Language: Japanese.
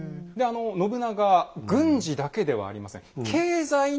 信長軍事だけではありません。